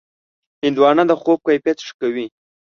هندوانه د خوب کیفیت ښه کوي.